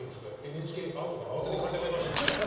ＮＨＫアートから慌てて借りてまいりました。